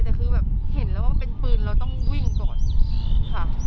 แต่คือแบบเห็นแล้วว่ามันเป็นปืนเราต้องวิ่งก่อนค่ะ